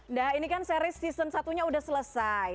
nda ini kan series season satu nya udah selesai